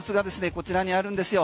こちらにあるんですよ。